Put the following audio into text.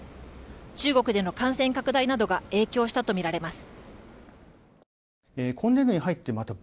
中国での感染拡大などが影響したとみられます。